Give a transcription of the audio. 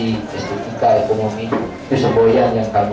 itu sebuah yang kami selalu bawa itu sebuah yang kami selalu bawa